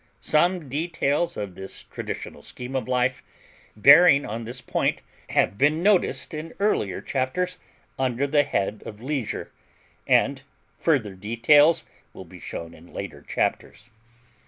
Some details of this traditional scheme of life, bearing on this point, have been noticed in earlier chapters under the head of leisure, and further details will be shown in later chapters.